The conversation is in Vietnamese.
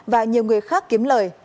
và nhiều người khác kiếm lời